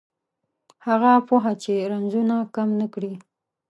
هغه پوهه چې رنځونه کم نه کړي